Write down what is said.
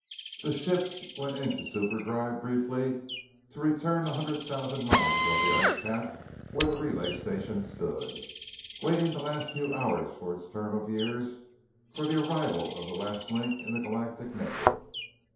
The ships went into superdrive briefly to return a few hundred thousand miles above the ice cap where the relay station stood, waiting the last few hours of its term of years for the arrival of the last link in the Galactic Network.